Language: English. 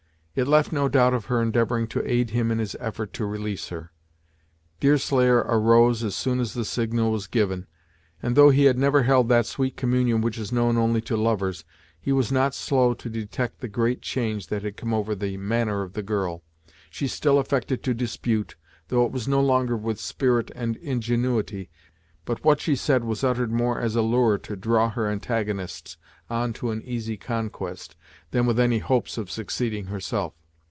It left no doubt of her endeavouring to aid him in his effort to release her. Deerslayer arose as soon as the signal was given, and though he had never held that sweet communion which is known only to lovers, he was not slow to detect the great change that had come over the manner of the girl. She still affected to dispute, though it was no longer with spirit and ingenuity, but what she said was uttered more as a lure to draw her antagonists on to an easy conquest, than with any hopes of succeeding herself.